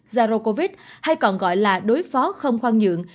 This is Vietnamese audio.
zaro covid hay còn gọi là đối phó không khoan nhượng